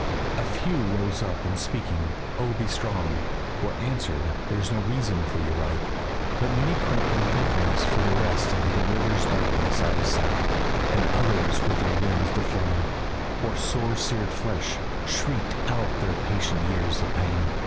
A few rose up and speaking, "O be strong," Were answered, "There's no reason for your right," But many crept in thankfulness for rest Into the river's darkness out of sight; And others with their limbs deformed, or sore Seared flesh, shrieked out their patient years of pain.